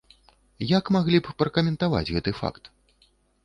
Як маглі б пракаментаваць гэты факт?